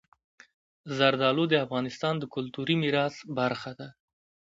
زردالو د افغانستان د کلتوري میراث برخه ده.